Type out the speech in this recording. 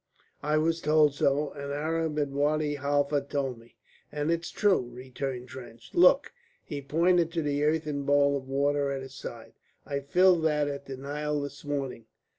I was told so. An Arab at Wadi Halfa told me." "And it's true," returned Trench. "Look!" He pointed to the earthen bowl of water at his side. "I filled that at the Nile this morning."